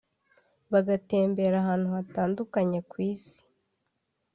bagatembera ahantu hatandukanye ku isi